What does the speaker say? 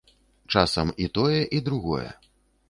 Часам і тое, і другое.